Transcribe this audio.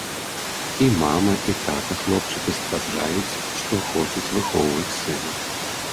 І мама, і тата хлопчыка сцвярджаюць, што хочуць выхоўваць сына.